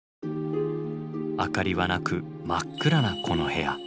明かりはなく真っ暗なこの部屋。